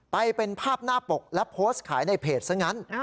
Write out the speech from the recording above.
ไปเป็นภาพหน้าปกและโพสต์ขายในเพจซะงั้น